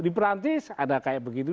di perancis ada kayak begitu